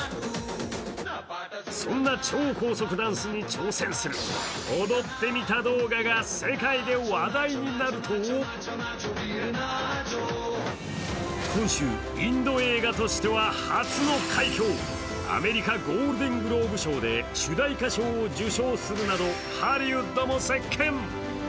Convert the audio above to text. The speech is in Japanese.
そんな超高速ダンスに挑戦する「踊ってみた」動画が世界で話題になると今週、インド映画としては初の快挙アメリカゴールデン・グローブ賞で主題歌賞を受賞するなど、ハリウッドも席けん。